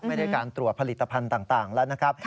ไม่ได้การตรวจผลิตภัณฑ์ต่างแล้วนะครับ